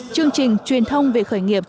chương trình truyền thông về khởi nghiệp